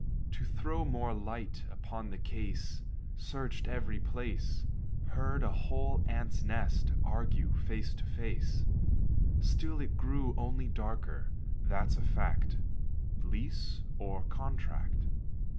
To throw more light upon the case, Searched every place, Heard a whole ants' nest argue face to face, Still it grew only darker; that's a fact (Lease or contract?)